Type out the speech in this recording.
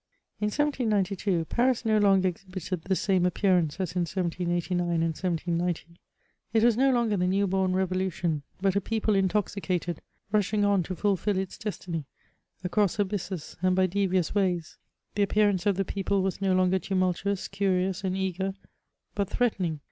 In 1 792, Paris no longer exhibited the same appearance as ' in 1789 and 1790 ; it was no longer the new bom Revolution, but a people intoxicated, rushing on to fulfil its destiny, across abysses, and by devious ways. The appearance of the people was na longer tumultuous, curious, and eager'; but'threateriijfig.